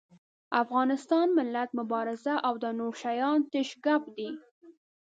افغانستان، ملت، مبارزه او دا نور شيان تش ګپ دي.